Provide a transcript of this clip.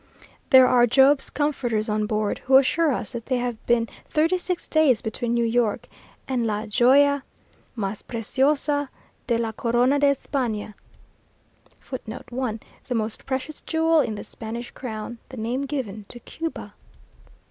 There are Job's comforters on board, who assure us that they have been thirty six days between New York and la "joya mas preciosa de la corona de Espana." [Footnote 1: The most precious jewel in the Spanish crown, the name given to Cuba.